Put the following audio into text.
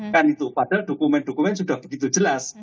kan itu padahal dokumen dokumen sudah begitu jelas